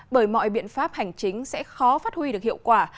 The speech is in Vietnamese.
bởi mọi biện pháp hành chính sẽ khó phát huy được hiệu quả